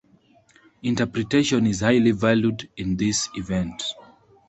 Interpretation is highly valued in this event.